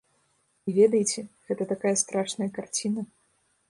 І ведаеце, гэта такая страшная карціна.